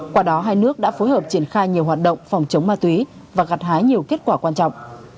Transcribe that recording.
qua đó hai nước đã phối hợp triển khai nhiều hoạt động phòng chống ma túy và gặt hái nhiều kết quả quan trọng